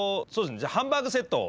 じゃあハンバーグセットを。